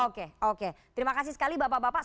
oke oke terima kasih sekali bapak bapak